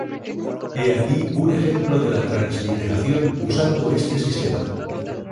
He aquí un ejemplo de la transliteración usando este sistema.